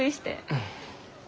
うん。